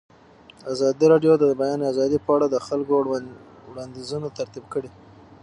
ازادي راډیو د د بیان آزادي په اړه د خلکو وړاندیزونه ترتیب کړي.